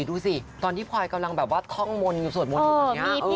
ดูสิตอนที่พลอยกำลังแบบว่าท่องมนต์อยู่สวดมนต์อยู่ตอนนี้